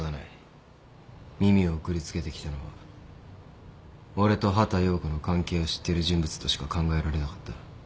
耳を送りつけてきたのは俺と畑葉子の関係を知ってる人物としか考えられなかった。